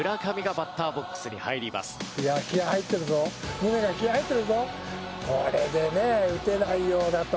ムネが気合入ってるぞ。